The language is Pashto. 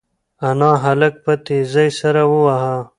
انا هلک په تېزۍ سره وواهه.